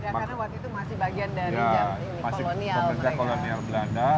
karena waktu itu masih bagian dari kolonial mereka